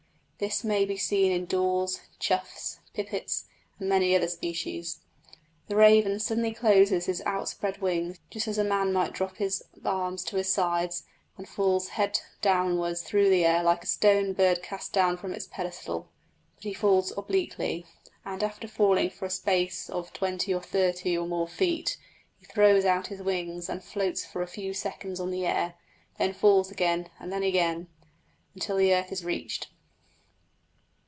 This may be seen in daws, choughs, pipits, and many other species. The raven suddenly closes his outspread wings, just as a man might drop his arms to his sides, and falls head downwards through the air like a stone bird cast down from its pedestal; but he falls obliquely, and, after falling for a space of twenty or thirty or more feet, he throws out his wings and floats for a few seconds on the air, then falls again, and then again, until the earth is reached.